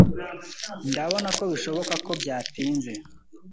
Ndabona ko bishoboka ko byatinze.